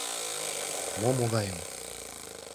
— Мо «могайым»?